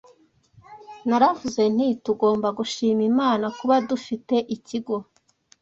Naravuze nti, Tugomba gushima Imana kuba dufite ikigo